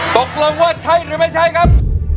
ตกลงว่าใช่หรือไม่ใช้ครับ